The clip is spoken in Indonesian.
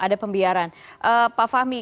ada pembiaran pak fahmi